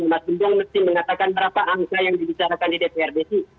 mas gembong mesti mengatakan berapa angka yang dibicarakan di dprd itu